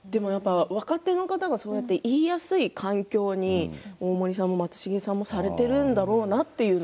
若手の方が言いやすい環境に大森さんや松重さんもされているんだろうなって。